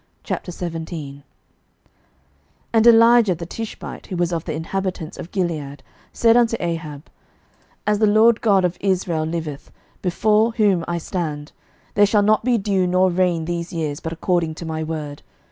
11:017:001 And Elijah the Tishbite, who was of the inhabitants of Gilead, said unto Ahab, As the LORD God of Israel liveth, before whom I stand, there shall not be dew nor rain these years, but according to my word.